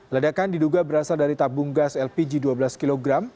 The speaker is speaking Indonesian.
ledakan diduga berasal dari tabung gas lpg dua belas kg